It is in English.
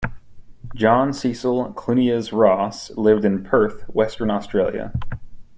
John Cecil Clunies-Ross lived in Perth, Western Australia.